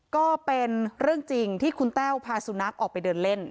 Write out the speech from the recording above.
ก็เป็นเรื่องจริงที่คุณแต้วพาสุนัขออกไปเดินเล่น